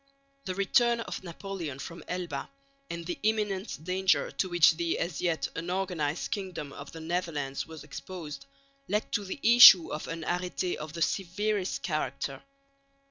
The return of Napoleon from Elba, and the imminent danger to which the, as yet, unorganised kingdom of the Netherlands was exposed, led to the issue of an arrêté of the severest character.